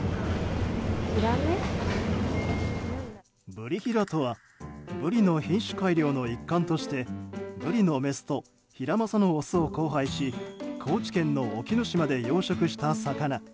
ブリヒラとはブリの品種改良の一環としてブリのメスとヒラマサのオスを交配し高知県の沖ノ島で養殖した魚。